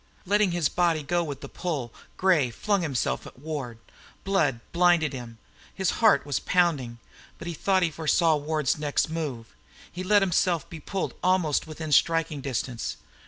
Letting his body go with the pull, Gray flung himself at Ward. Blood blinded him, his heart was pounding, but he thought he foresaw Ward's next move. He let himself be pulled almost within striking distance.